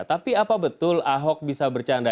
tapi apa betul ahok bisa bercanda